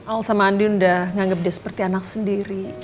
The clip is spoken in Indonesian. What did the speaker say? al sama andien udah nganggep dia seperti anak sendiri